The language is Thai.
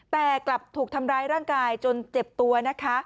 แต่กลับถูกทำร้ายร่างกายจนเจ็บตัวนะคะ